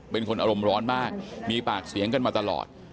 เป็นคนอารมณ์ร้อนมากมีปากเสียงกันมาตลอด